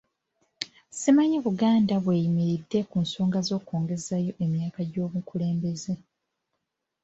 Simanyi Buganda w'eyimiridde ku nsonga z'okwongezaayo emyaka gy'omukulembeze.